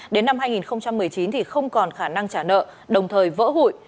đến năm hai nghìn một mươi chín thì không còn khả năng trả nợ đồng thời vỡ hụi